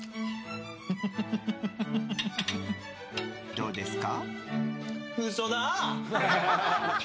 どうですか？